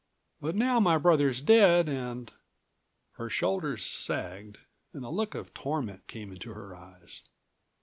But now my brother's dead and " Her shoulders sagged and a look of torment came into her eyes.